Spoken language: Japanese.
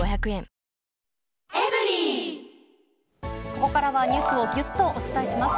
ここからは、ニュースをぎゅっとお伝えします。